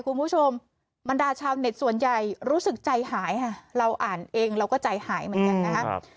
บรรดาชาวเน็ตส่วนใหญ่รู้สึกใจหายค่ะเราอ่านเองเราก็ใจหายเหมือนกันนะครับ